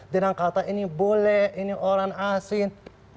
dengan kata ini boleh ini orang asing